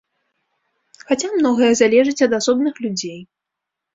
Хаця многае залежыць ад асобных людзей.